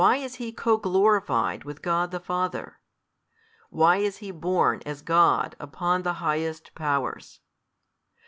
why is He co glorified with God the Father? why is He borne, as God, upon the highest Powers?